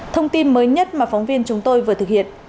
thông tin mới nhất mà phóng viên chúng tôi vừa thực hiện